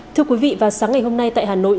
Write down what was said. thưa quý vị vào sáng ngày hôm nay tại hà nội